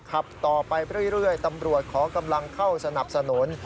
ขับต่อไปเรื่อยตำรวจขอกำลังเข้าสนับสนุน